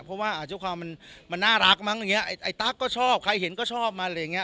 เพราะว่าอาจจะความมันมันน่ารักมั้งอย่างเงี้ไอ้ตั๊กก็ชอบใครเห็นก็ชอบมันอะไรอย่างเงี้